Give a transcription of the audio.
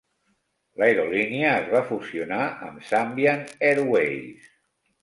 L'aerolínia es va fusionar amb Zambian Airways.